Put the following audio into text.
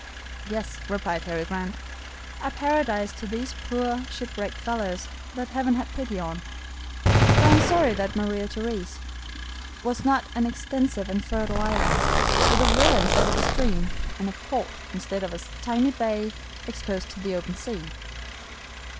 "Yes," replied Harry Grant, "a paradise to these poor, shipwrecked fellows that Heaven had pity on, but I am sorry that Maria Theresa was not an extensive and fertile island, with a river instead of a stream, and a port instead of a tiny bay exposed to the open sea."